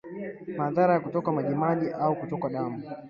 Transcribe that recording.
Maradhi ya kutokwa majimaji au kutokwa damu